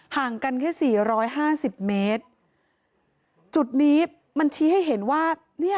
ห่างกันแค่๔๕๐เมตรจุดนี้มันชี้ให้เห็นว่า